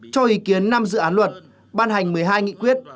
cho ý kiến năm dự án luật ban hành một mươi hai nghị quyết